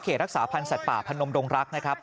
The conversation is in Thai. รักษาพันธ์สัตว์ป่าพนมดงรักนะครับ